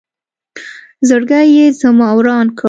زړګې یې زما وران کړ